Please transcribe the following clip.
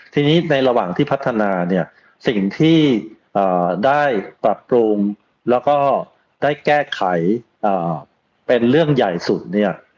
ทีนี้ในระหว่างที่พัฒนาเนี่ยสิ่งที่ได้ปรับปรุงแล้วก็ได้แก้ไขเป็นเรื่องใหญ่สุดเนี่ย